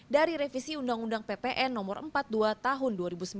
dari revisi undang undang ppn nomor empat puluh dua tahun dua ribu sembilan